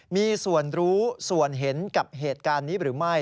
มีส่วนรู้ส่วนเห็นกับเหตุการณ์นี้หรือไม่